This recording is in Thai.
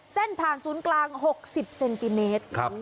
เส้นผ่านศูนย์กลาง๖๐เซนติเมตร